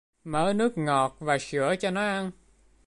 Mở nước ngọt và sữa cho nó ăn